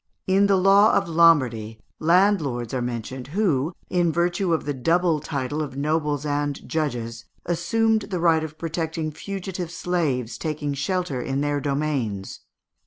In the law of Lombardy landlords are mentioned who, in virtue of the double title of nobles and judges, assumed the right of protecting fugitive slaves taking shelter in their domains.